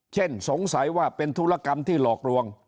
สงสัยว่าเป็นธุรกรรมที่หลอกลวง